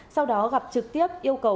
sau đó gặp trực tiếp yêu cầu